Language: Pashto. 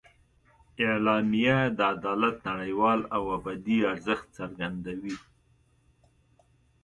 اعلامیه د عدالت نړیوال او ابدي ارزښت څرګندوي.